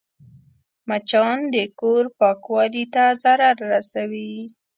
مچان د کور پاکوالي ته ضرر رسوي